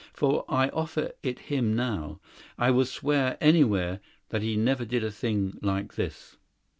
For I offer it him now. I will swear anywhere that he never did a thing like this."